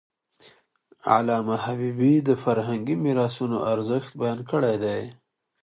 علامه حبيبي د فرهنګي میراثونو ارزښت بیان کړی دی.